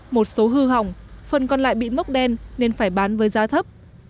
một số hư hỏng phần còn lại bị mốc đen nên phải bán với giá thấp